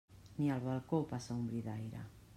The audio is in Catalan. Ni al balcó passa un bri d'aire.